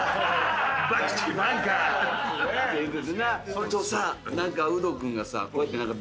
それとさ何かウド君がさ